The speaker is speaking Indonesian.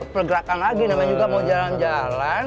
pergerakan lagi namanya juga mau jalan jalan